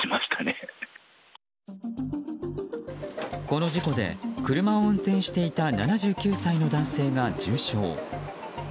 この事故で車を運転していた７９歳の男性が重傷。